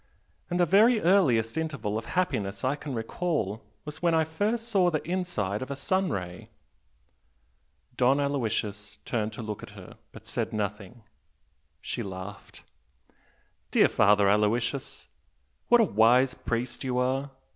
And the very earliest 'interval' of happiness I can recall was when I first saw the inside of a sun ray!" Don Aloysius turned to look at her, but said nothing. She laughed. "Dear Father Aloysius, what a wise priest you are!